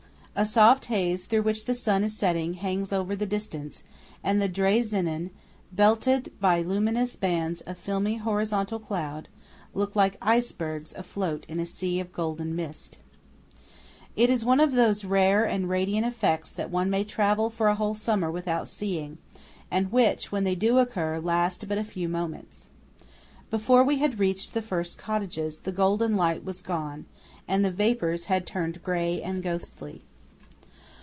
A soft haze through which the sun is shining, hangs over the distance; and the Drei Zinnnen, belted by luminous bands of filmy horizontal cloud, look like icebergs afloat in a sea of golden mist. VALLEY OF AURONZO. It is one of those rare and radiant effects that one may travel for a whole summer without seeing, and which, when they do occur, last but a few moments. Before we had reached the first cottages, the golden light was gone, and the vapours had turned grey and ghostly.